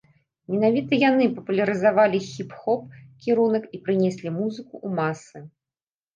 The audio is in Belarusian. Менавіта яны папулярызавалі хіп-хоп кірунак і прынеслі музыку ў масы.